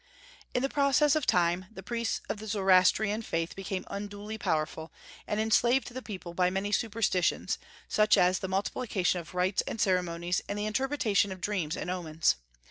In process of time the priests of the Zoroastrian faith became unduly powerful, and enslaved the people by many superstitions, such as the multiplication of rites and ceremonies and the interpretation of dreams and omens.